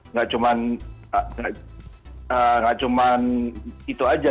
nggak cuman nggak cuman itu aja